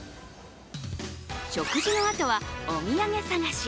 食事のあとは、お土産探し。